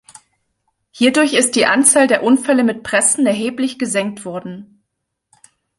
Hierdurch ist die Anzahl der Unfälle mit Pressen erheblich gesenkt worden.